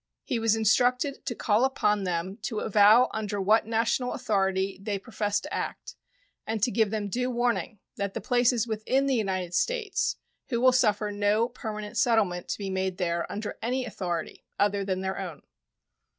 He was instructed to call upon them to "avow under what national authority they profess to act," and to give them due warning "that the place is within the United States, who will suffer no permanent settlement to be made there under any authority other than their own."